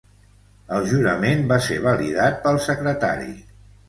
El jurament va ser validat pel secretari.